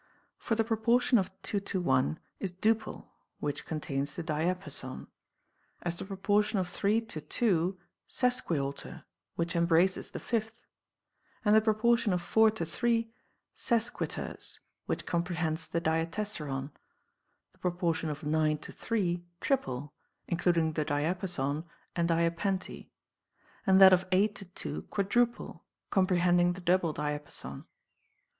For the proportion of 2 to 1 is duple, which contains the diapa son ; as the proportion of 3 to 2 sesquialter, which em braces the fifth ; and the proportion of 4 to 3 sesquiterce, which comprehends the diatessaron ; the proportion of 9 to 3 triple, including the diapason and diapente ; and that of 8 to 2 quadruple, comprehending the double diapason.